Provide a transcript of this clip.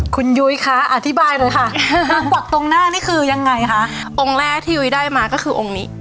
คุณยุ้ยคะอธิบายเลยค่ะนางกวักตรงหน้านี่คือยังไงคะองค์แรกที่ยุ้ยได้มาก็คือองค์นี้